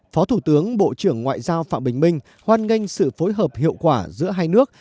phó thủ tướng bộ trưởng ngoại giao phạm bình minh hoan nghênh sự phối hợp hiệu quả giữa hai nước